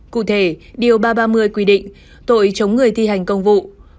cụ thể điều ba trăm ba mươi quy định tội chống người thi hành công vụ